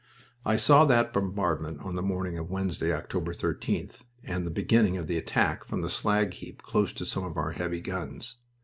I saw that bombardment on the morning of Wednesday, October 13th, and the beginning of the attack from a slag heap close to some of our heavy guns.